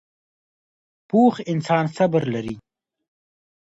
پوخ انسان صبر لري